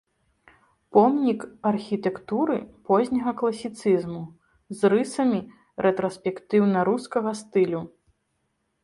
Помнік архітэктуры позняга класіцызму з рысамі рэтраспектыўна-рускага стылю.